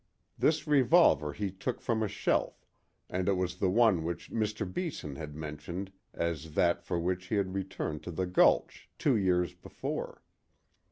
This revolver he took from a shelf, and it was the one which Mr. Beeson had mentioned as that for which he had returned to the Gulch two years before.